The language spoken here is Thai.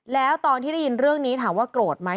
แล้วตอนที่ได้ยินเรื่องนี้ถามว่าโกรธไหม